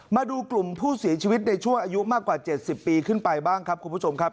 มาดูกลุ่มผู้เสียชีวิตในช่วงอายุมากกว่า๗๐ปีขึ้นไปบ้างครับคุณผู้ชมครับ